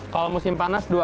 kalau musim panas dua kali ya